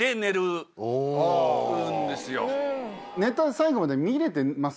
最後まで見れてます？